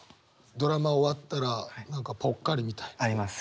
ドラマ終わったら何かぽっかりみたいな。あります。